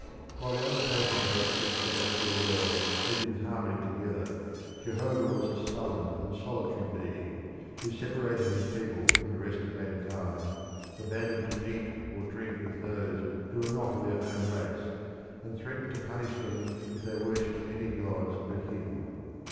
While the other potentates of the celestial world lived in harmony together, Jehovah was a sullen and solitary being, who separated his people from the rest of mankind, forbade them to eat or drink with those who were not of their own race, and threatened to punish them if they worshipped any gods but him.